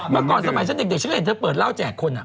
เมื่อก่อนสมัยฉันเด็กฉันก็เห็นเธอเปิดเหล้าแจกคน